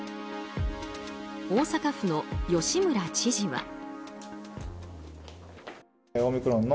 大阪府の吉村知事は。